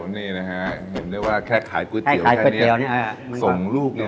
ที่เราเลยไม่ได้เช่าใครเลย